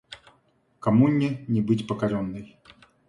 Коммуне не быть покоренной.